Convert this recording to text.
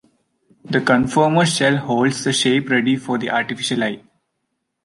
The conformer shell holds the shape ready for the artificial eye.